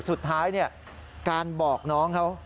สุดท้ายการบอกน้องเขา